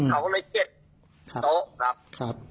เขาก็เลยเก็บโต๊ะครับ